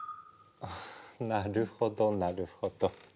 なるほどなるほど。